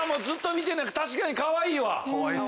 ずっと見てんねや確かにかわいいわ。